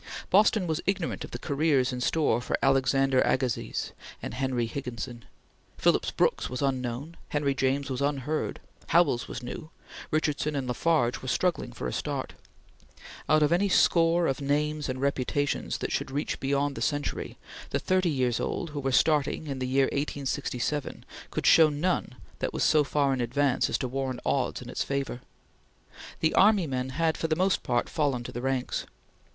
Boston was ignorant of the careers in store for Alexander Agassiz and Henry Higginson. Phillips Brooks was unknown; Henry James was unheard; Howells was new; Richardson and LaFarge were struggling for a start. Out of any score of names and reputations that should reach beyond the century, the thirty years old who were starting in the year 1867 could show none that was so far in advance as to warrant odds in its favor. The army men had for the most part fallen to the ranks.